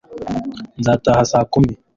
nzataha saa kumi